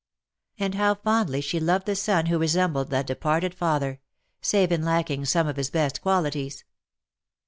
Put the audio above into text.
And how fondly she loved the son who resembled that departed father — save in lacking some of his best qualities